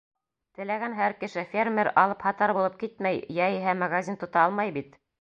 Теләгән һәр кеше фермер, алыпһатар булып китмәй, йәиһә магазин тота алмай бит.